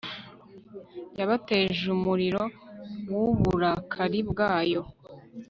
yabateje umuriro w'uburakari bwayo